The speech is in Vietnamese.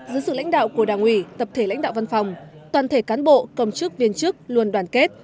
dưới sự lãnh đạo của đảng ủy tập thể lãnh đạo văn phòng toàn thể cán bộ công chức viên chức luôn đoàn kết